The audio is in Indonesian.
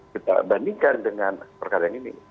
kita bandingkan dengan perkara yang ini